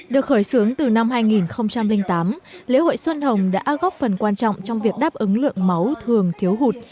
được khởi xướng từ năm hai nghìn tám lễ hội xuân hồng đã góp phần quan trọng trong việc đáp ứng lượng máu thường thiếu hụt